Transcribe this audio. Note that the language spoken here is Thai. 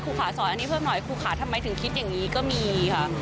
ขาสอยอันนี้เพิ่มหน่อยครูขาทำไมถึงคิดอย่างนี้ก็มีค่ะ